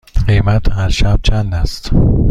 قیمت هر شب چند است؟